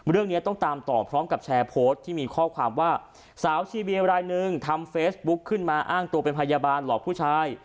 เรื่องนี้ต้องตามต่อพร้อมกับแชร์โพสต์ที่มีข้อความว่าสาวชีเบียรายหนึ่งทำเฟซบุ๊กขึ้นมาอ้างตัวเป็นพยาบาลหลอกผู้ชาย